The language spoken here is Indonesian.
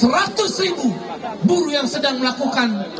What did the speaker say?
seratus ribu buruh yang sedang melakukan